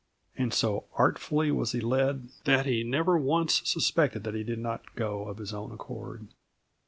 And so artfully was he led, that he never once suspected that he did not go of his own accord.